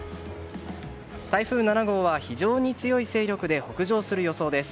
台風７号は非常に強い勢力で北上する予想です。